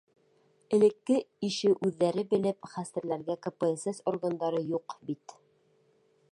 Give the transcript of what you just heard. Элекке ише үҙҙәре белеп хәстәрләргә КПСС органдары юҡ бит.